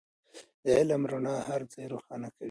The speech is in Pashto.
د علم رڼا هر ځای روښانه کوي.